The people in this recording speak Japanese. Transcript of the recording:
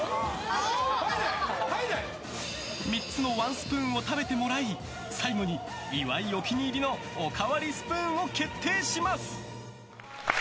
３つのワンスプーンを食べてもらい最後に岩井お気に入りのおかわりスプーンを決定します！